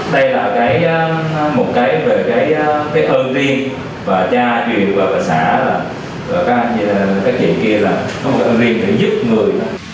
đây là một cái ơn tiền và cha truyền của vợ xã và các chị kia là ơn tiền giúp người